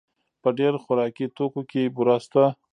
په ډېر خوراکي توکو کې بوره شته.